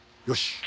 よし！